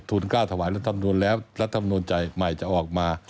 ทุนก้าวถวายรัฐธรรมนุนและรัฐธรรมนุนใจใหม่จะออกมา